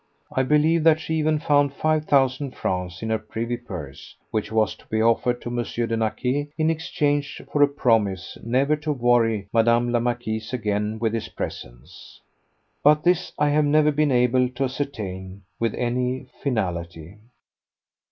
I believe that she even found five thousand francs in her privy purse which was to be offered to M. de Naquet in exchange for a promise never to worry Mme. la Marquise again with his presence. But this I have never been able to ascertain with any finality.